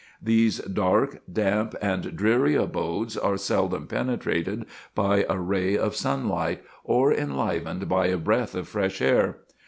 These dark, damp and dreary abodes are seldom penetrated by a ray of sunlight, or enlivened by a breath of fresh air.